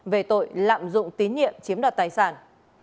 về tội lạm dụng tín nhiệm chiếm đoạt tài sản